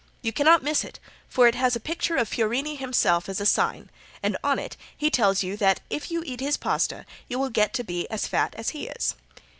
You cannot miss it for it has a picture of Fiorini himself as a sign, and on it he tells you that if you eat his paste you will get to be as fat as he is.